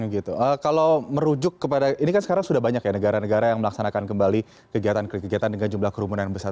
kalau merujuk kepada ini kan sekarang sudah banyak ya negara negara yang melaksanakan kembali kegiatan kegiatan dengan jumlah kerumunan yang besar